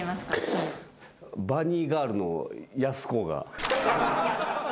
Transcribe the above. バニーガールのやす子が。